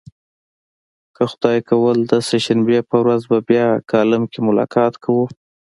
که خدای کول د سه شنبې په ورځ به بیا کالم کې ملاقات کوو.